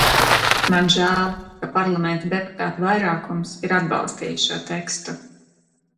Man žēl, ka Parlamenta deputātu vairākums ir atbalstījis šo tekstu.